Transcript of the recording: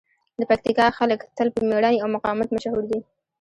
د پکتیکا خلک تل په مېړانې او مقاومت مشهور دي.